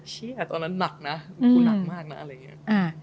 เชื่อตอนนั้นหนักนะกูหนักมากนะอะไรอย่างนี้